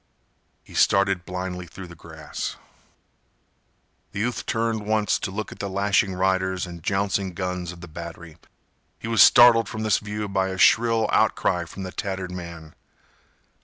He started blindly through the grass. The youth turned once to look at the lashing riders and jouncing guns of the battery. He was startled from this view by a shrill outcry from the tattered man.